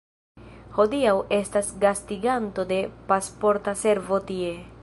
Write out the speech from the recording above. Hodiaŭ estas gastiganto de Pasporta Servo tie.